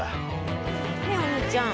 ねえお兄ちゃん。